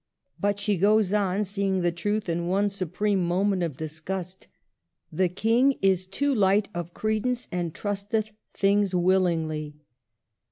But she goes on, seeing the truth in one supreme moment of disgust, " The King is too light of credence, and trusteth things willingly."